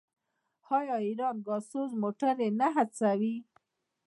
آیا ایران ګازسوز موټرې نه هڅوي؟